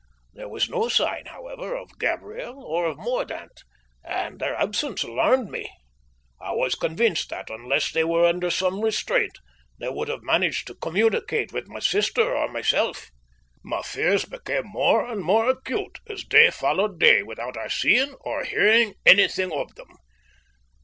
There was no sign, however, of Gabriel or of Mordaunt, and their absence alarmed me. I was convinced that, unless they were under some restraint, they would have managed to communicate with my sister or myself. My fears became more and more acute as day followed day without our seeing or hearing anything of them.